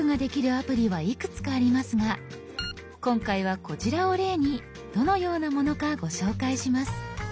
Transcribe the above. アプリはいくつかありますが今回はこちらを例にどのようなものかご紹介します。